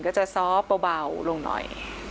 ก็จะซ้อเบาลงหน่อย